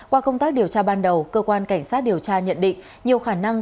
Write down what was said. qua công tác điều tra ban đầu cơ quan cảnh sát điều tra nhận định nhiều khả năng